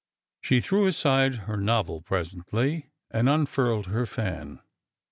She threw aside her novel presently, and unfurled her fan.